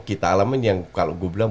kita alamin yang kalau gue bilang